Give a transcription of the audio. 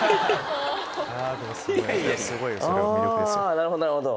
あなるほどなるほど！